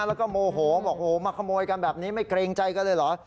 แล้วก็โมโหบอกโอ้โหมาขโมยกันแบบนี้ไม่เกรงใจกันเลยเหรอ